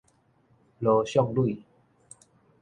羅淑蕾